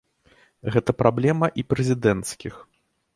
Гэта праблема і прэзідэнцкіх.